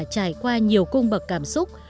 trải qua nhiều cung bậc cảm xúc